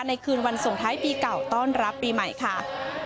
คืนวันส่งท้ายปีเก่าต้อนรับปีใหม่ค่ะ